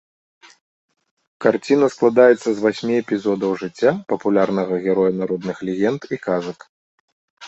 Карціна складаецца з васьмі эпізодаў жыцця папулярнага героя народных легенд і казак.